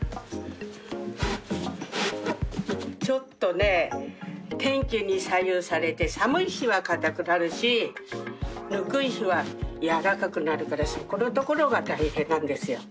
ちょっとね天気に左右されて寒い日は硬くなるしぬくい日は軟らかくなるからそこのところが大変なんですよ。